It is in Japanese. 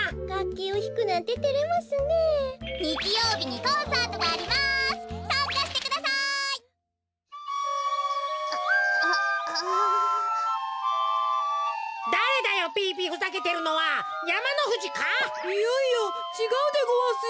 いやいやちがうでごわすよ。